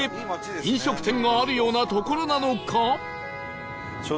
飲食店があるような所なのか？